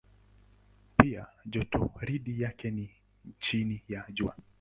Pia jotoridi yake ni chini ya Jua.